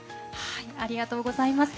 ありがとうございます。